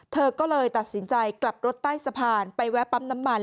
เธอก็เลยตัดสินใจกลับรถใต้สะพานไปแวะปั๊มน้ำมัน